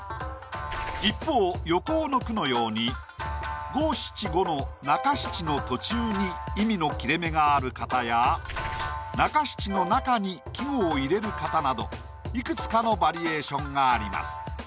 一方横尾の句のように５・７・５の中七の途中に意味の切れ目がある型や中七の中に季語を入れる型などいくつかのバリエーションがあります。